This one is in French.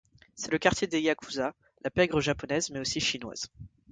C'est le quartier des yakuzas, la pègre japonaise, mais aussi chinoise.